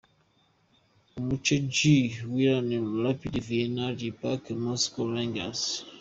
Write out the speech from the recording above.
Umuce G: Villarreal , Rapid Vienna, Spartak Moscow , Rangers.